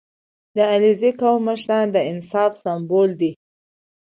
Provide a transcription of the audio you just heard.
• د علیزي قوم مشران د انصاف سمبول دي.